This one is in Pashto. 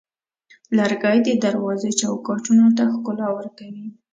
لرګی د دروازو چوکاټونو ته ښکلا ورکوي.